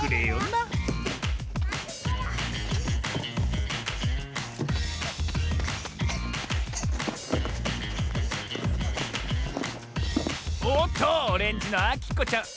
なおっとオレンジのあきこちゃん